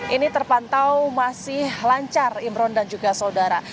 ini terpantau masih lancar imron dan juga saudara